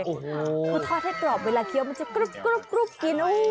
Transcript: โอ้โหคุณทอดให้กรอบเวลาเคี้ยวมันจะกรุบกิน